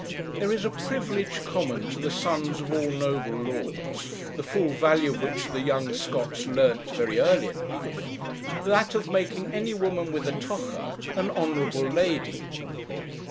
There is a privilege common to the sons of all noble lords, the full value of which the young Scotts learnt very early in life that of making any woman with a tocher an honourable lady.